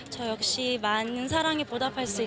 จะแย่มงิจฉัน